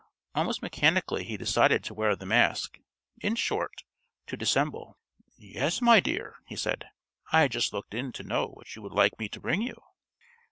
Almost mechanically he decided to wear the mask in short, to dissemble. "Yes, my dear," he said. "I just looked in to know what you would like me to bring you."